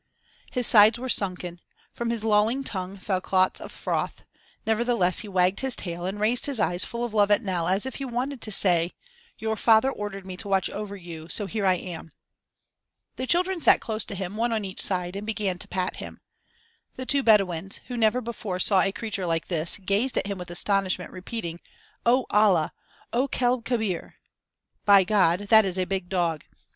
His sides were sunken, from his lolling tongue fell clots of froth; nevertheless he wagged his tail and raised his eyes full of love at Nell as if he wanted to say: "Your father ordered me to watch over you, so here I am." The children sat close to him, one on each side, and began to pat him. The two Bedouins, who never before saw a creature like this, gazed at him with astonishment, repeating: "On Allah! o kelb kebir!" ("By God! that is a big dog!")